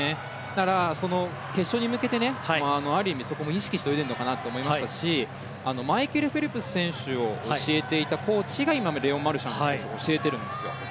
だから、決勝に向けてある意味そこも意識して泳いでいるのかなと思いましたしマイケル・フェルプス選手を教えていたコーチがレオン・マルシャン選手を教えているんですよ。